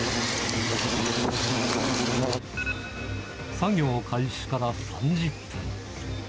作業開始から３０分。